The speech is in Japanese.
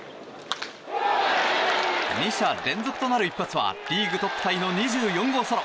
２者連続となる一発はリーグトップタイの２４号ソロ。